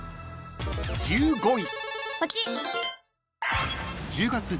［１５位］